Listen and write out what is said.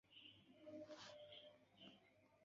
La urbo estas ligita al Jalto per busa trafiko.